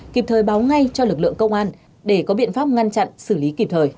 kịp thời báo ngay cho lực lượng công an để có biện pháp ngăn chặn xử lý kịp thời